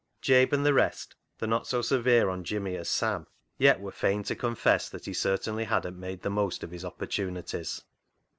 Jabe and the rest, though not so severe on Jimmy as Sam, yet were fain to confess that he certainly hadn't made the most of his opportunities.